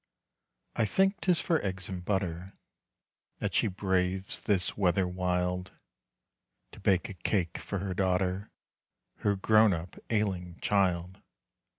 I think 'tis for eggs and butter That she braves this weather wild, To bake a cake for her daughter, Her grown up ailing child.